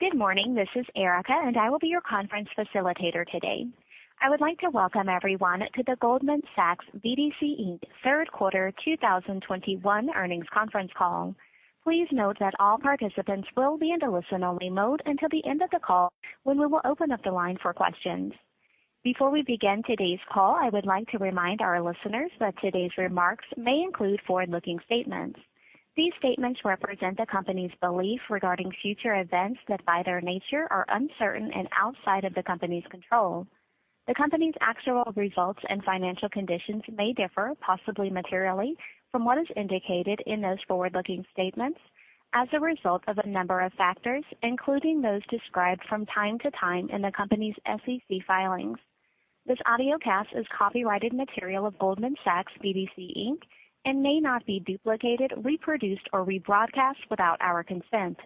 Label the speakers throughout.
Speaker 1: Good morning. This is Erica, and I will be your conference facilitator today. I would like to welcome everyone to the Goldman Sachs BDC, Inc. Q3 2021 earnings conference call. Please note that all participants will be in a listen-only mode until the end of the call when we will open up the line for questions. Before we begin today's call, I would like to remind our listeners that today's remarks may include forward-looking statements. These statements represent the company's belief regarding future events that, by their nature, are uncertain and outside of the company's control. The company's actual results and financial conditions may differ, possibly materially, from what is indicated in those forward-looking statements as a result of a number of factors, including those described from time to time in the company's SEC filings. This audiocast is copyrighted material of Goldman Sachs BDC, Inc. May not be duplicated, reproduced, or rebroadcast without our consent.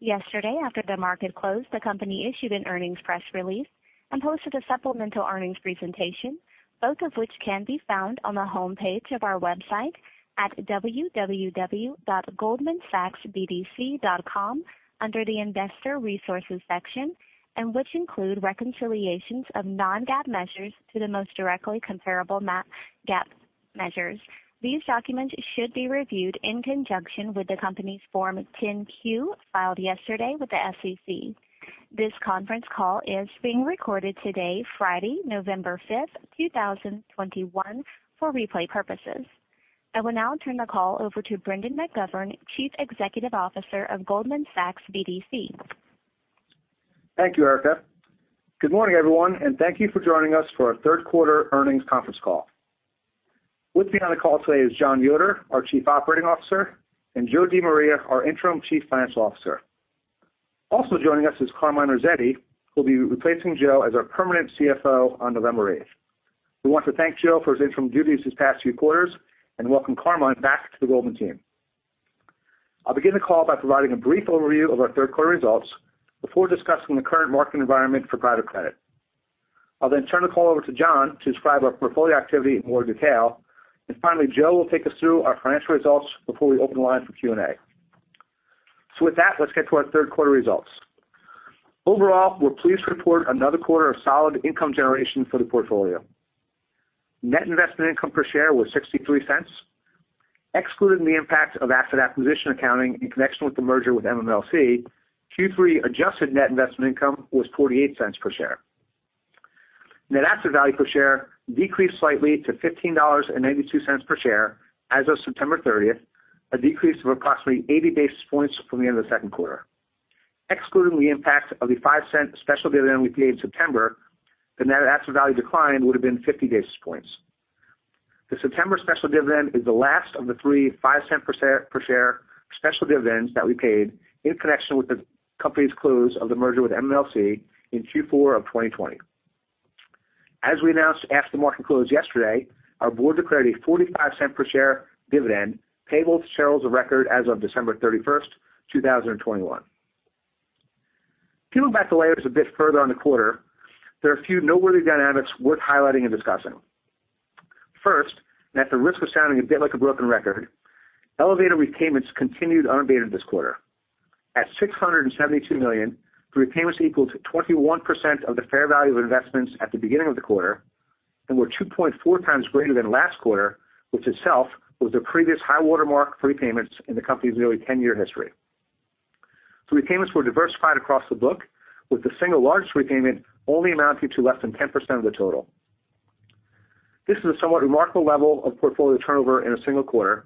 Speaker 1: Yesterday, after the market closed, the company issued an earnings press release and posted a supplemental earnings presentation, both of which can be found on the homepage of our website at www.goldmansachsbdc.com under the Investor Resources section, and which include reconciliations of non-GAAP measures to the most directly comparable GAAP measures. These documents should be reviewed in conjunction with the company's Form 10-Q filed yesterday with the SEC. This conference call is being recorded today, Friday, November fifth, two thousand twenty-one, for replay purposes. I will now turn the call over to Brendan McGovern, Chief Executive Officer of Goldman Sachs BDC.
Speaker 2: Thank you, Erica. Good morning, everyone, and thank you for joining us for our Q3 earnings conference call. With me on the call today is Jon Yoder, our Chief Operating Officer, and Joe DiMaria, our interim Chief Financial Officer. Also joining us is Carmine Rossetti, who'll be replacing Joe as our permanent CFO on November eighth. We want to thank Joe for his interim duties these past few quarters and welcome Carmine back to the Goldman team. I'll begin the call by providing a brief overview of our Q3 results before discussing the current market environment for private credit. I'll then turn the call over to Jon to describe our portfolio activity in more detail. Finally, Joe will take us through our financial results before we open the line for Q&A. With that, let's get to our Q3 results. Overall, we're pleased to report another quarter of solid income generation for the portfolio. Net investment income per share was $0.63. Excluding the impact of asset acquisition accounting in connection with the merger with MMLC, Q3 adjusted net investment income was $0.48 per share. Net asset value per share decreased slightly to $15.92 per share as of 30 September, a decrease of approximately 80 basis points from the end of the Q2. Excluding the impact of the $0.05 special dividend we paid in September, the net asset value decline would have been 50 basis points. The September special dividend is the last of the three $0.05 per share special dividends that we paid in connection with the company's close of the merger with MMLC in Q4 of 2020. As we announced after market close yesterday, our board declared a $0.45 per share dividend payable to shareholders of record as of 31 December 2021. Peeling back the layers a bit further on the quarter, there are a few noteworthy dynamics worth highlighting and discussing. First, and at the risk of sounding a bit like a broken record, elevated repayments continued unabated this quarter. At $672 million, the repayments equal to 21% of the fair value of investments at the beginning of the quarter and were 2.4 times greater than last quarter, which itself was the previous high watermark for repayments in the company's nearly 10-year history. The repayments were diversified across the book, with the single largest repayment only amounting to less than 10% of the total. This is a somewhat remarkable level of portfolio turnover in a single quarter.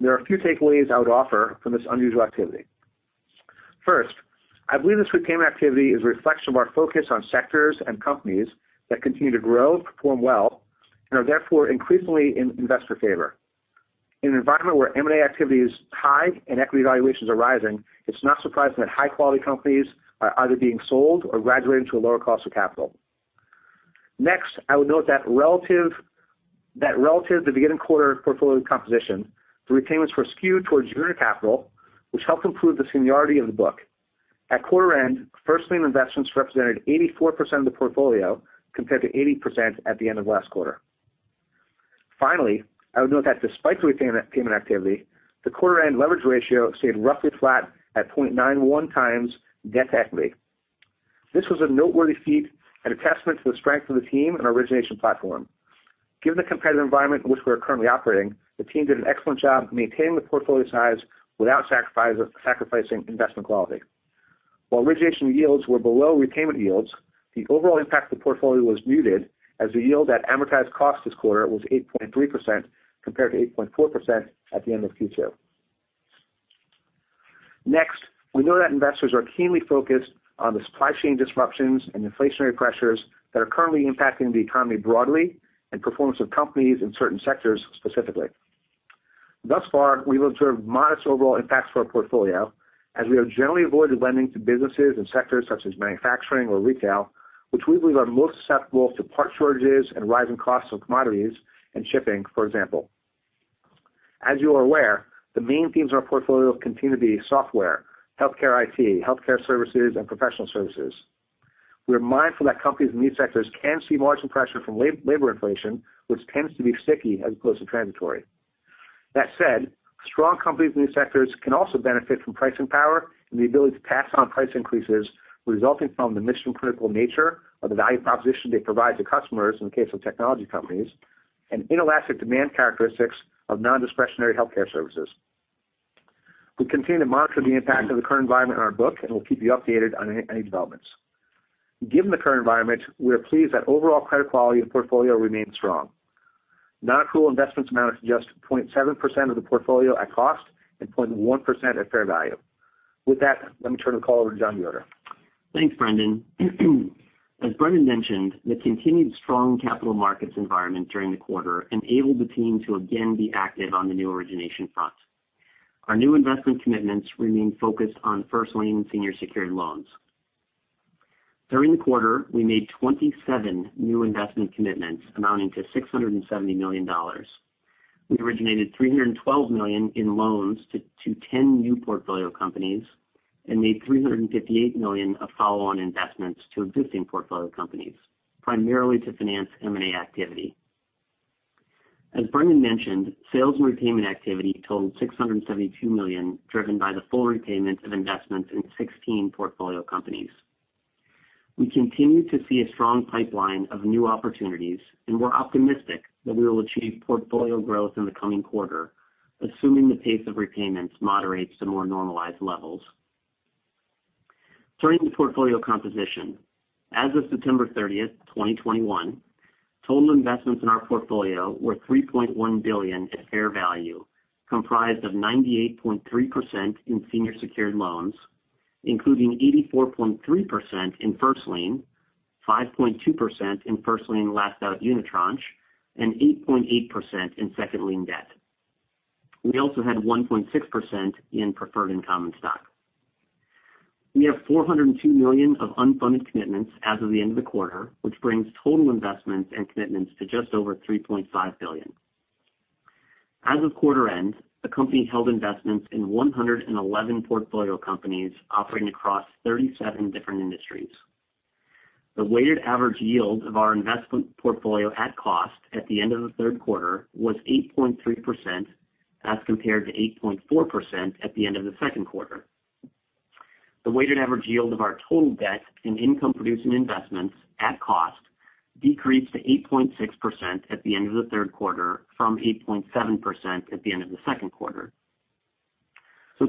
Speaker 2: There are a few takeaways I would offer from this unusual activity. First, I believe this repayment activity is a reflection of our focus on sectors and companies that continue to grow and perform well and are therefore increasingly in investor favor. In an environment where M&A activity is high and equity valuations are rising, it's not surprising that high-quality companies are either being sold or graduating to a lower cost of capital. Next, I would note that relative to beginning quarter portfolio composition, the repayments were skewed towards junior capital, which helped improve the seniority of the book. At quarter end, first lien investments represented 84% of the portfolio, compared to 80% at the end of last quarter. Finally, I would note that despite the repayment activity, the quarter end leverage ratio stayed roughly flat at 0.91 times debt to equity. This was a noteworthy feat and a testament to the strength of the team and our origination platform. Given the competitive environment in which we are currently operating, the team did an excellent job maintaining the portfolio size without sacrificing investment quality. While origination yields were below repayment yields, the overall impact to the portfolio was muted as the yield at amortized cost this quarter was 8.3% compared to 8.4% at the end of Q2. Next, we know that investors are keenly focused on the supply chain disruptions and inflationary pressures that are currently impacting the economy broadly and performance of companies in certain sectors specifically. Thus far, we've observed modest overall impacts to our portfolio as we have generally avoided lending to businesses and sectors such as manufacturing or retail, which we believe are most susceptible to part shortages and rising costs of commodities and shipping, for example. As you are aware, the main themes in our portfolio continue to be software, healthcare IT, healthcare services, and professional services. We are mindful that companies in these sectors can see margin pressure from labor inflation, which tends to be sticky as opposed to transitory. That said, strong companies in these sectors can also benefit from pricing power and the ability to pass on price increases resulting from the mission-critical nature of the value proposition they provide to customers in the case of technology companies, and inelastic demand characteristics of non-discretionary healthcare services. We continue to monitor the impact of the current environment on our book, and we'll keep you updated on any developments. Given the current environment, we are pleased that overall credit quality of the portfolio remains strong. Non-accrual investments amount to just 0.7% of the portfolio at cost and 0.1% at fair value. With that, let me turn the call over to Jon Yoder.
Speaker 3: Thanks, Brendan. As Brendan mentioned, the continued strong capital markets environment during the quarter enabled the team to again be active on the new origination front. Our new investment commitments remain focused on first lien senior secured loans. During the quarter, we made 27 new investment commitments amounting to $670 million. We originated $312 million in loans to ten new portfolio companies and made $358 million of follow-on investments to existing portfolio companies, primarily to finance M&A activity. As Brendan mentioned, sales and repayment activity totaled $672 million, driven by the full repayment of investments in 16 portfolio companies. We continue to see a strong pipeline of new opportunities, and we're optimistic that we will achieve portfolio growth in the coming quarter, assuming the pace of repayments moderates to more normalized levels. Turning to portfolio composition. As of 30 September 2021, total investments in our portfolio were $3.1 billion at fair value, comprised of 98.3% in senior secured loans, including 84.3% in first lien, 5.2% in first lien last out unitranche, and 8.8% in second lien debt. We also had 1.6% in preferred and common stock. We have $402 million of unfunded commitments as of the end of the quarter, which brings total investments and commitments to just over $3.5 billion. As of quarter end, the company held investments in 111 portfolio companies operating across 37 different industries. The weighted average yield of our investment portfolio at cost at the end of the Q3 was 8.3% as compared to 8.4% at the end of the Q2. The weighted average yield of our total debt in income-producing investments at cost decreased to 8.6% at the end of the Q3 from 8.7% at the end of the Q2.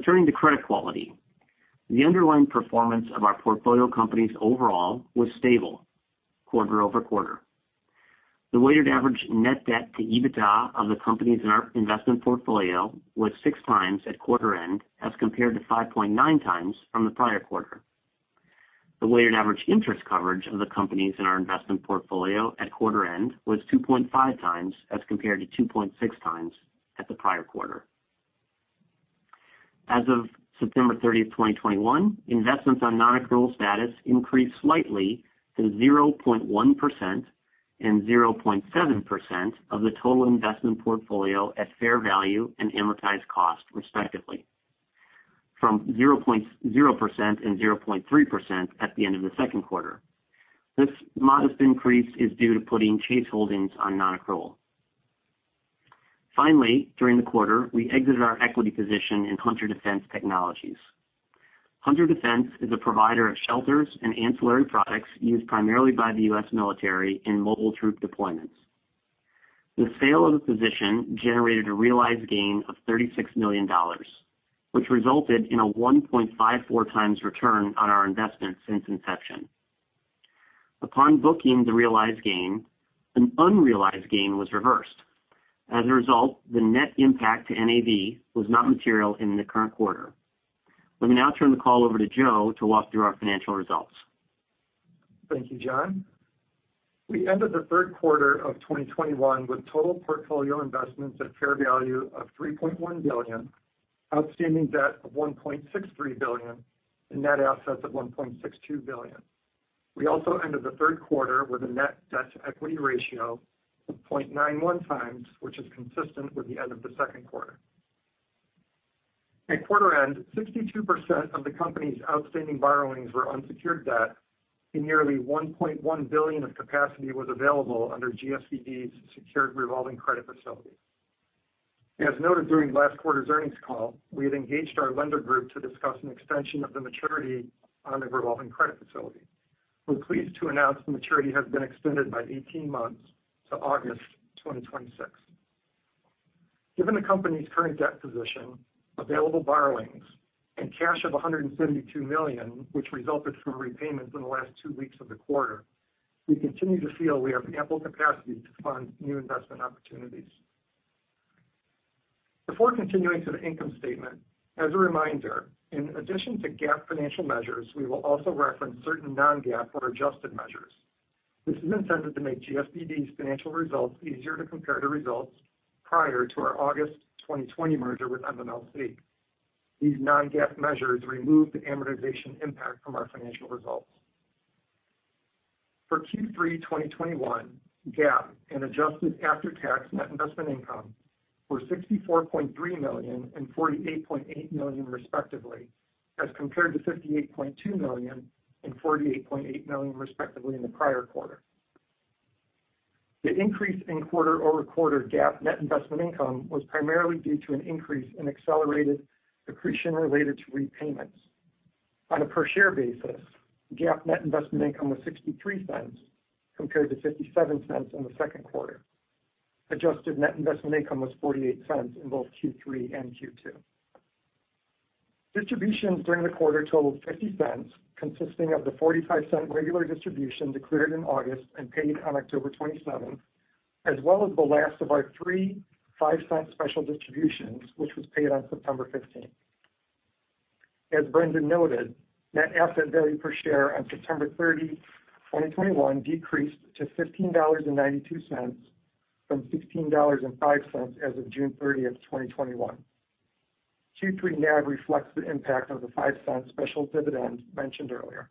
Speaker 3: Turning to credit quality. The underlying performance of our portfolio companies overall was stable quarter-over-quarter. The weighted average net debt to EBITDA of the companies in our investment portfolio was 6x at quarter end as compared to 5.9x from the prior quarter. The weighted average interest coverage of the companies in our investment portfolio at quarter end was 2.5 times as compared to 2.6 times at the prior quarter. As of 30 September 2021, investments on non-accrual status increased slightly to 0.1% and 0.7% of the total investment portfolio at fair value and amortized cost, respectively, from 0.0% and 0.3% at the end of the Q2. This modest increase is due to putting Chase Industries on non-accrual. Finally, during the quarter, we exited our equity position in Hunter Defense Technologies. Hunter Defense is a provider of shelters and ancillary products used primarily by the U.S. military in mobile troop deployments. The sale of the position generated a realized gain of $36 million, which resulted in a 1.54x return on our investment since inception. Upon booking the realized gain, an unrealized gain was reversed. As a result, the net impact to NAV was not material in the current quarter. Let me now turn the call over to Joe to walk through our financial results.
Speaker 4: Thank you, Jon. We ended the Q3 of 2021 with total portfolio investments at fair value of $3.1 billion, outstanding debt of $1.63 billion, and net assets of $1.62 billion. We also ended the Q3 with a net debt-to-equity ratio of 0.91 times, which is consistent with the end of the Q2. At quarter end, 62% of the company's outstanding borrowings were unsecured debt, and nearly $1.1 billion of capacity was available under GSBD's secured revolving credit facility. As noted during last quarter's earnings call, we had engaged our lender group to discuss an extension of the maturity on the revolving credit facility. We're pleased to announce the maturity has been extended by 18 months to August 2026. Given the company's current debt position, available borrowings, and cash of $172 million, which resulted from repayments in the last two weeks of the quarter, we continue to feel we have ample capacity to fund new investment opportunities. Before continuing to the income statement, as a reminder, in addition to GAAP financial measures, we will also reference certain non-GAAP or adjusted measures. This is intended to make GSBD's financial results easier to compare to results prior to our August 2020 merger with MMLC. These non-GAAP measures remove the amortization impact from our financial results. For Q3 2021, GAAP and adjusted after-tax net investment income were $64.3 million and $48.8 million, respectively, as compared to $58.2 million and $48.8 million, respectively, in the prior quarter. The increase in quarter-over-quarter GAAP net investment income was primarily due to an increase in accelerated accretion related to repayments. On a per share basis, GAAP net investment income was $0.63 compared to $0.57 in the Q2. Adjusted net investment income was $0.48 in both Q3 and Q2. Distributions during the quarter totaled $0.50, consisting of the $0.45 regular distribution declared in August and paid on October 27th, as well as the last of our three $0.05 special distributions, which was paid on 15 September. As Brendan noted, net asset value per share on 30 September 2021 decreased to $15.92 from $16.05 as of 30 June 2021. Q3 NAV reflects the impact of the $0.05 special dividend mentioned earlier.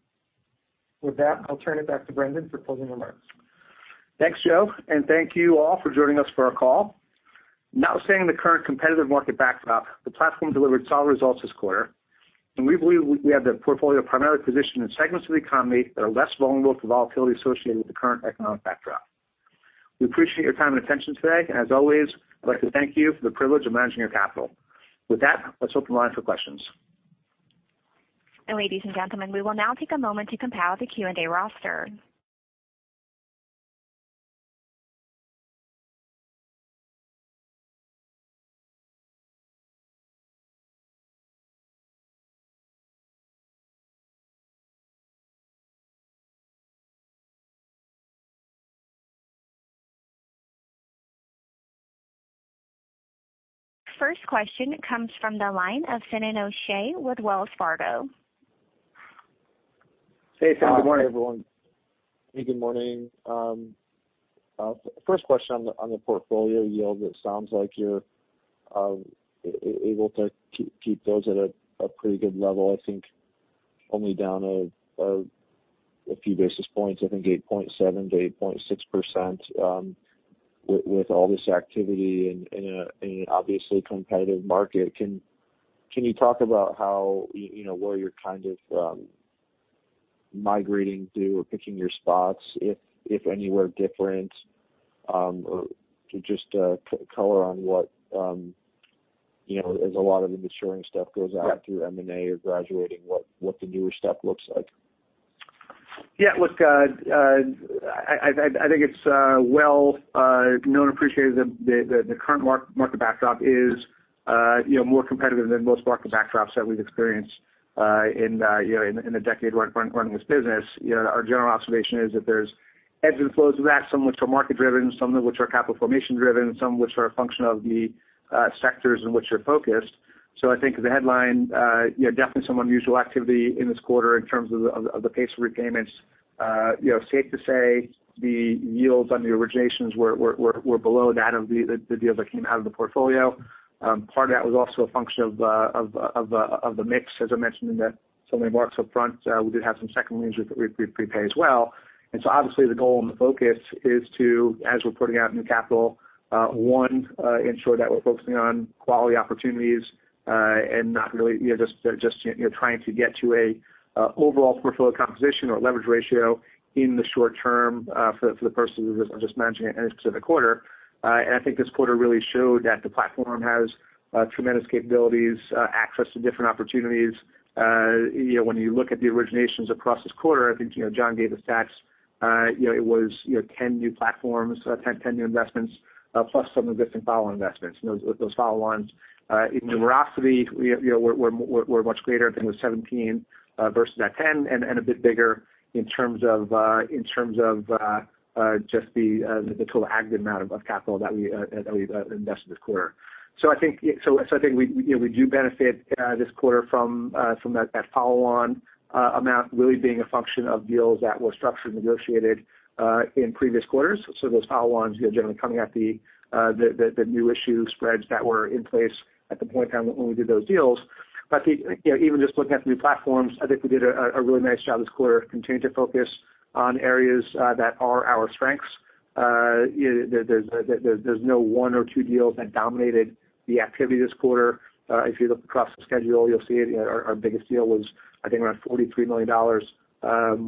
Speaker 4: With that, I'll turn it back to Brendan for closing remarks.
Speaker 2: Thanks, Joe, and thank you all for joining us for our call. Notwithstanding the current competitive market backdrop, the platform delivered solid results this quarter, and we believe we have the portfolio primarily positioned in segments of the economy that are less vulnerable to volatility associated with the current economic backdrop. We appreciate your time and attention today, and as always, I'd like to thank you for the privilege of managing your capital. With that, let's open the line for questions.
Speaker 1: Ladies and gentlemen, we will now take a moment to compile the Q&A roster. First question comes from the line of Finian O'Shea with Wells Fargo.
Speaker 2: Hey, Finian. Good morning.
Speaker 5: Good morning, everyone. Hey, good morning. First question on the portfolio yield, it sounds like you're able to keep those at a pretty good level. I think only down a few basis points, I think 8.7%-8.6%, with all this activity in an obviously competitive market. Can you talk about how, you know, where you're kind of migrating to or picking your spots if anywhere different, or just color on what, you know, as a lot of the maturing stuff goes out through M&A or graduating, what the newer stuff looks like.
Speaker 2: Yeah, look, I think it's well known and appreciated that the current market backdrop is, you know, more competitive than most market backdrops that we've experienced, you know, in a decade running this business. You know, our general observation is that there's ebbs and flows with that, some which are market driven, some of which are capital formation driven, some of which are a function of the sectors in which you're focused. I think the headline, you know, definitely some unusual activity in this quarter in terms of the pace of repayments. You know, safe to say the yields on the originations were below that of the deals that came out of the portfolio. Part of that was also a function of the mix. As I mentioned in the opening remarks up front, we did have some second liens with prepay as well. Obviously the goal and the focus is to, as we're putting out new capital, one, ensure that we're focusing on quality opportunities, and not really, you know, just, you know, trying to get to a overall portfolio composition or leverage ratio in the short term, for the purposes of just managing it in a specific quarter. I think this quarter really showed that the platform has tremendous capabilities, access to different opportunities. You know, when you look at the originations across this quarter, I think, you know, Jon gave the stats. You know, it was 10 new platforms, 10 new investments, plus some existing follow-on investments. Those follow-ons, in numerosity, you know, were much greater. I think it was 17 versus that 10 and a bit bigger in terms of just the total aggregate amount of capital that we invested this quarter. I think we, you know, do benefit this quarter from that follow-on amount really being a function of deals that were structured and negotiated in previous quarters. Those follow-ons, you know, generally coming at the new issue spreads that were in place at the point in time when we did those deals. I think, you know, even just looking at the new platforms, I think we did a really nice job this quarter continuing to focus on areas that are our strengths. There's no one or two deals that dominated the activity this quarter. If you look across the schedule, you'll see our biggest deal was, I think, around $43 million.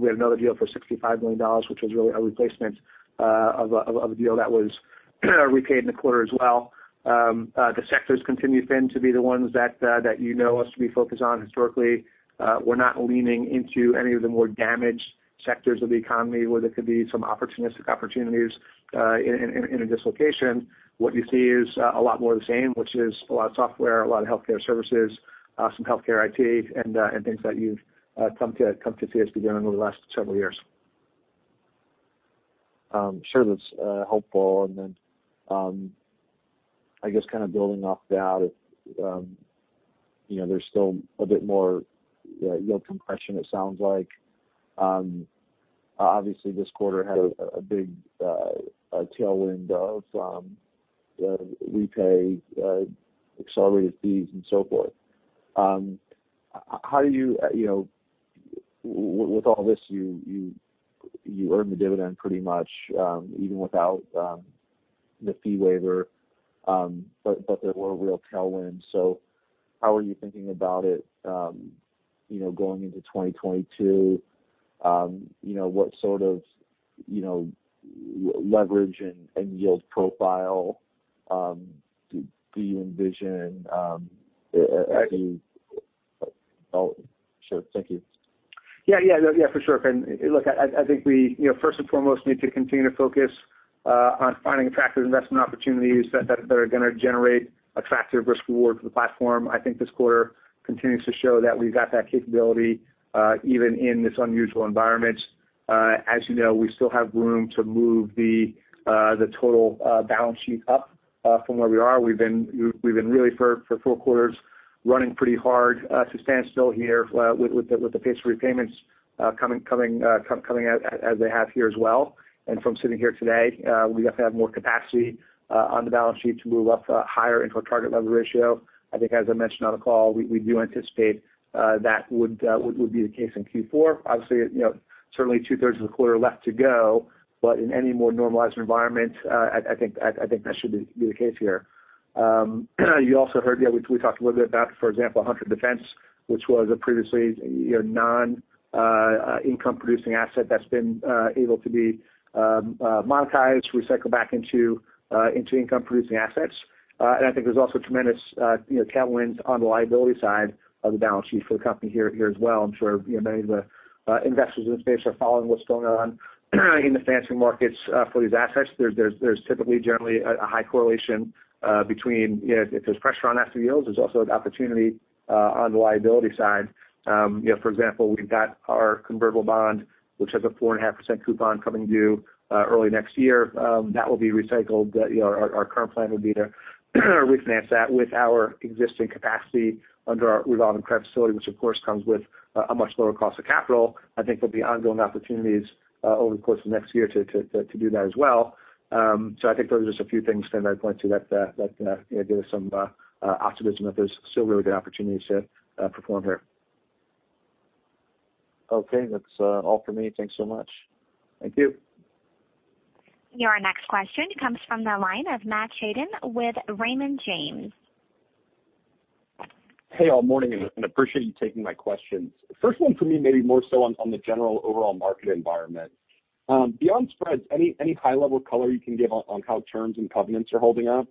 Speaker 2: We had another deal for $65 million, which was really a replacement of a deal that was repaid in the quarter as well. The sectors continue, Finan, to be the ones that you know us to be focused on historically. We're not leaning into any of the more damaged sectors of the economy where there could be some opportunistic opportunities in a dislocation. What you see is a lot more of the same, which is a lot of software, a lot of healthcare services, some healthcare IT and things that you've come to see us be doing over the last several years.
Speaker 5: Sure. That's helpful. Then, I guess kind of building off that, you know, there's still a bit more yield compression, it sounds like. Obviously this quarter had a big tailwind of prepayment accelerated fees and so forth. How do you know, with all this, you earn the dividend pretty much even without the fee waiver, but there were real tailwinds. How are you thinking about it, you know, going into 2022? You know, what sort of leverage and yield profile do you envision, you-
Speaker 2: I-
Speaker 5: Oh, sure. Thank you.
Speaker 2: Yeah, yeah. Yeah, for sure, Finian. Look, I think we, you know, first and foremost need to continue to focus on finding attractive investment opportunities that are gonna generate attractive risk reward for the platform. I think this quarter continues to show that we've got that capability, even in this unusual environment. As you know, we still have room to move the total balance sheet up from where we are. We've been really for four quarters running pretty hard to stand still here with the pace of repayments coming as they have here as well. From sitting here today, we definitely have more capacity on the balance sheet to move up higher into our target leverage ratio. I think as I mentioned on the call, we do anticipate that would be the case in Q4. Obviously, you know, certainly two-thirds of the quarter are left to go, but in any more normalized environment, I think that should be the case here. You also heard we talked a little bit about, for example, Hunter Defense, which was a previously, you know, non-income producing asset that's been able to be monetized, recycled back into income producing assets. I think there's also tremendous, you know, tailwinds on the liability side of the balance sheet for the company here as well. I'm sure, you know, many of the investors in the space are following what's going on in the financing markets for these assets. There's typically generally a high correlation between, you know, if there's pressure on asset yields, there's also an opportunity on the liability side. You know, for example, we've got our convertible bond, which has a 4.5% coupon coming due early next year. That will be recycled. You know, our current plan would be to refinance that with our existing capacity under our revolving credit facility, which of course comes with a much lower cost of capital. I think there'll be ongoing opportunities over the course of next year to do that as well. I think those are just a few things, Finian, I'd point to that, you know, give us some optimism that there's still really good opportunities to perform here.
Speaker 5: Okay. That's all for me. Thanks so much.
Speaker 2: Thank you.
Speaker 1: Your next question comes from the line of Matt Tjaden with Raymond James.
Speaker 6: Hey, all. Morning, and appreciate you taking my questions. First one for me may be more so on the general overall market environment. Beyond spreads, any high level color you can give on how terms and covenants are holding up?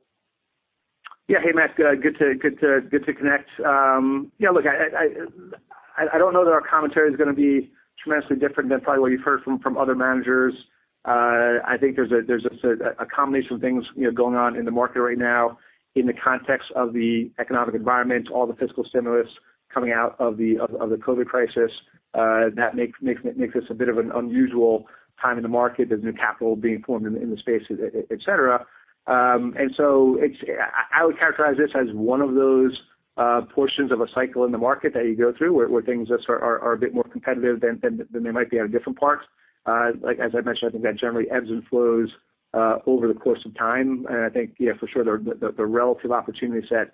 Speaker 2: Hey, Matt. Good to connect. Look, I don't know that our commentary is gonna be tremendously different than probably what you've heard from other managers. I think there's a combination of things, you know, going on in the market right now in the context of the economic environment, all the fiscal stimulus coming out of the COVID crisis, that makes this a bit of an unusual time in the market. There's new capital being formed in the space, et cetera. It's one of those portions of a cycle in the market that you go through where things just are a bit more competitive than they might be at different parts. Like as I mentioned, I think that generally ebbs and flows over the course of time. I think, yeah, for sure the relative opportunity set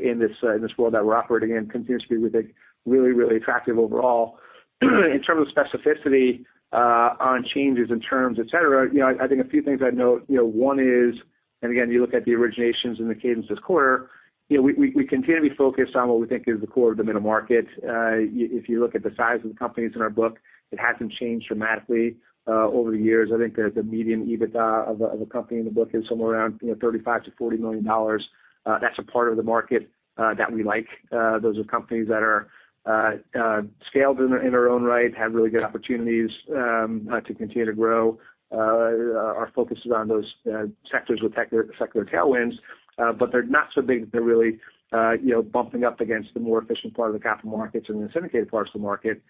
Speaker 2: in this world that we're operating in continues to be really attractive overall. In terms of specificity on changes in terms, et cetera, you know, I think a few things I'd note, you know, one is, and again, you look at the originations and the cadence this quarter, you know, we continue to be focused on what we think is the core of the middle market. If you look at the size of the companies in our book, it hasn't changed dramatically over the years. I think the median EBITDA of a company in the book is somewhere around, you know, $35 million-$40 million. That's a part of the market that we like. Those are companies that are scaled in their own right, have really good opportunities to continue to grow, are focused around those sectors with tech secular tailwinds, but they're not so big that they're really, you know, bumping up against the more efficient part of the capital markets and the syndicated parts of the market.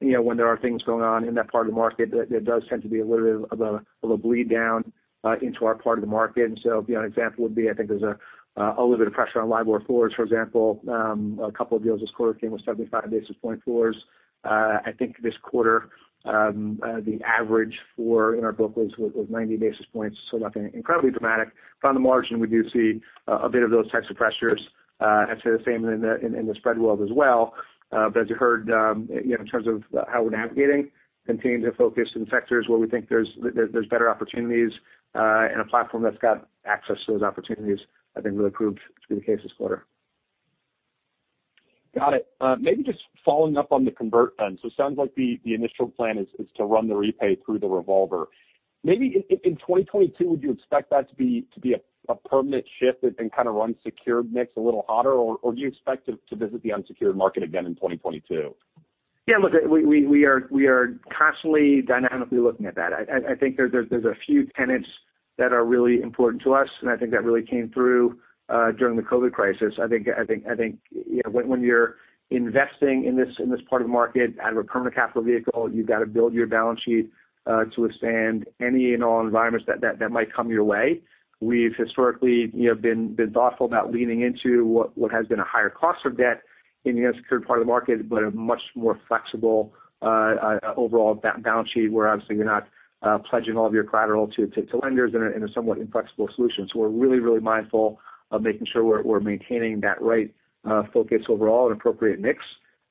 Speaker 2: You know, when there are things going on in that part of the market, there does tend to be a little bit of a bleed down into our part of the market. You know, an example would be. I think there's a little bit of pressure on LIBOR floors, for example. A couple of deals this quarter came with 75 basis point floors. I think this quarter, the average floor in our book was 90 basis points, so nothing incredibly dramatic. On the margin, we do see a bit of those types of pressures. I'd say the same in the spread world as well. As you heard, you know, in terms of how we're navigating, continuing to focus in sectors where we think there's better opportunities, and a platform that's got access to those opportunities I think really proved to be the case this quarter.
Speaker 6: Got it. Maybe just following up on the convert then. It sounds like the initial plan is to run the repay through the revolver. Maybe in 2022, would you expect that to be a permanent shift and kind of run secured mix a little hotter, or do you expect to visit the unsecured market again in 2022?
Speaker 2: Yeah, look, we are constantly dynamically looking at that. I think there's a few tenets that are really important to us, and I think that really came through during the COVID crisis. I think you know when you're investing in this part of the market out of a permanent capital vehicle, you've got to build your balance sheet to withstand any and all environments that might come your way. We've historically you know been thoughtful about leaning into what has been a higher cost of debt in the unsecured part of the market, but a much more flexible overall balance sheet where obviously you're not pledging all of your collateral to lenders in a somewhat inflexible solution. We're really, really mindful of making sure we're maintaining that right focus overall and appropriate mix.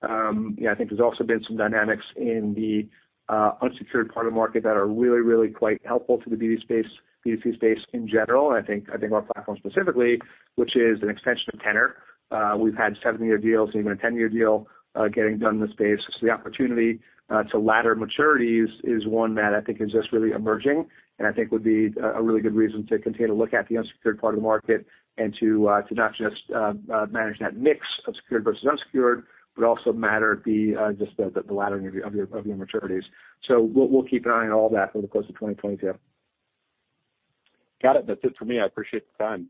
Speaker 2: You know, I think there's also been some dynamics in the unsecured part of the market that are really, really quite helpful to the BDC space in general, and I think our platform specifically, which is an extension of tenor. We've had seven-year deals and even a 10-year deal getting done in the space. The opportunity to ladder maturities is one that I think is just really emerging, and I think would be a really good reason to continue to look at the unsecured part of the market and to not just manage that mix of secured versus unsecured, but also mature the just the laddering of your maturities. We'll keep an eye on all that over the course of 2022.
Speaker 6: Got it. That's it for me. I appreciate the time.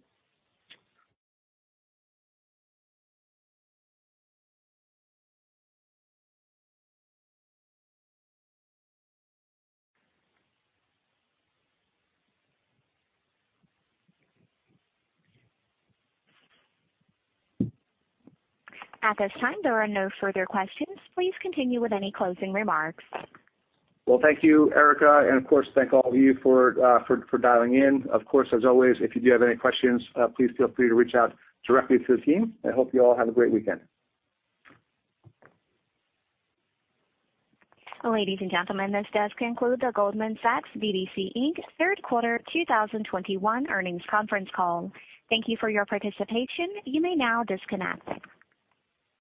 Speaker 1: At this time, there are no further questions. Please continue with any closing remarks.
Speaker 2: Well, thank you, Erica, and of course, thank all of you for dialing in. Of course, as always, if you do have any questions, please feel free to reach out directly to the team. I hope you all have a great weekend.
Speaker 1: Ladies and gentlemen, this does conclude the Goldman Sachs BDC, Inc. Q3 2021 earnings conference call. Thank you for your participation. You may now disconnect.